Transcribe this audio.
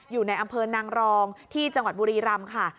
อยู่ในอำเภอนางรองที่จังหวัดบุรีรำค่ะ